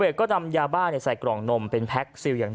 เบศ์ก็นำยาบ้าเนี้ยใส่กล่องนมเป็นแพ็คซีลอย่าง